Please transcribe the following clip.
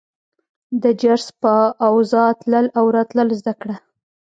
د جرس په اوزا تلل او راتلل زده کړه.